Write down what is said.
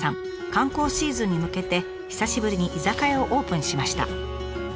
観光シーズンに向けて久しぶりに居酒屋をオープンしました。